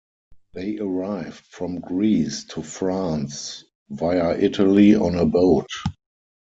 They arrived from Greece to France via Italy on a boat.